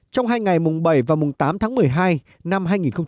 trong hai ngày mùng bảy và mùng tám tháng một mươi hai năm hai nghìn một mươi bảy